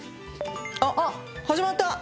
あっ始まった！